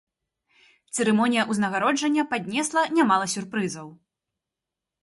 Цырымонія ўзнагароджання паднесла нямала сюрпрызаў.